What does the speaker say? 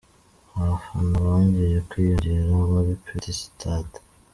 Abafana bongeye kwiyongera muri Peti Sitade